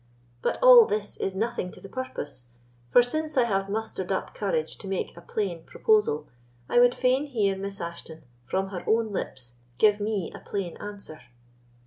But all this is nothing to the purpose; for since I have mustered up courage to make a plain proposal, I would fain hear Miss Ashton, from her own lips, give me a plain answer."